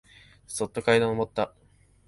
そっと階段をのぼった。